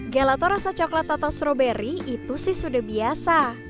gelato rasa coklat atau stroberi itu sih sudah biasa